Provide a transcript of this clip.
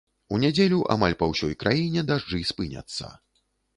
У нядзелю амаль па ўсёй краіне дажджы спыняцца.